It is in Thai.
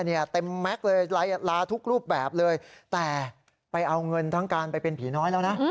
เต็มแม็กซ์เลยลาทุกรูปแบบเลยแต่ไปเอาเงินทั้งการไปเป็นผีน้อยแล้วนะ